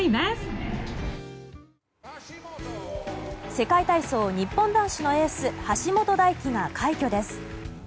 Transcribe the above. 世界体操日本男子のエース橋本大輝が快挙です。